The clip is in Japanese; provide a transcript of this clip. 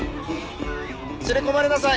連れ込まれなさい！